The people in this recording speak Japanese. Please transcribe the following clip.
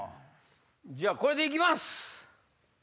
じゃあこれで行きます！